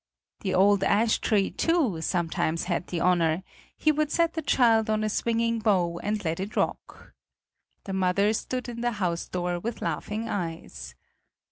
The old ash tree, too, sometimes had the honor; he would set the child on a swinging bough and let it rock. The mother stood in the house door with laughing eyes.